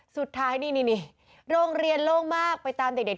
สุดท้ายนี่โรงเรียนโล่งมากไปตามเด็ก